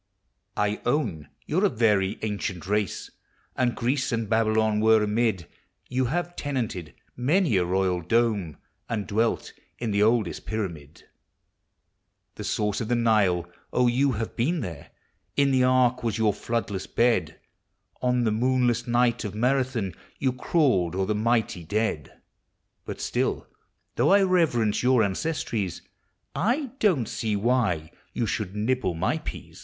I own you 're a very ancient race, And Greece and Babylon were amid; You have tenanted many a royal dome, And dwelt in the oldest pyramid; The source of the Nile!— 6, you have been there! In the ark was your floodless bed; On the moonless nighl of Marathon Y T ou crawled o'er the mighty dead; But still, though 1 reverence your anc<>stri<'s, I don't see why you should uibble mj peas.